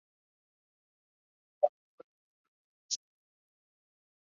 Sin embargo ocurrió un resurgimiento.